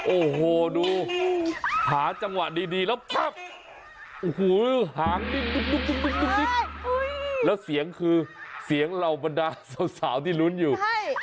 โอ้โหดูหาจังหวะดีแล้วปั๊บโอ้โหหางดิ้งแล้วเสียงคือเสียงเหล่าบรรดาสาวที่ลุ้นอยู่ใช่